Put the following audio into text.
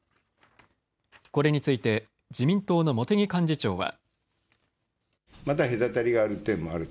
これについて自民党の茂木幹事長は。